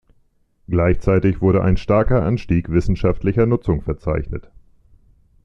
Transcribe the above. Gleichzeitig wurde ein starker Anstieg wissenschaftlicher Nutzungen verzeichnet.